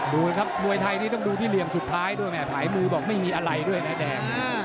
ดูครับมวยไทยนี่ต้องดูที่เหลี่ยมสุดท้ายด้วยแม่ผายมือบอกไม่มีอะไรด้วยนะแดง